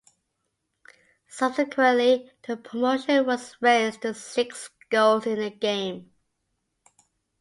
Subsequently, the promotion was raised to six goals in a game.